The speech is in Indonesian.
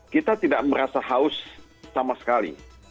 kita tidak merasa haus sama sekali